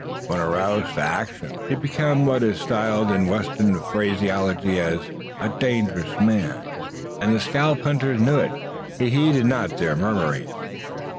When roused to action, he became what is styled in western phraseology a "dangerous man"; and the scalp hunters knew it. He heeded not their murmurings.